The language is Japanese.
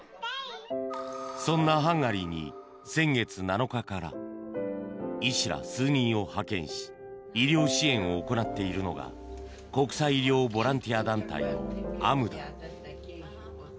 そんなハンガリーに先月７日から医師ら数人を派遣し医療支援を行っているのが国際医療ボランティア団体のＡＭＤＡ。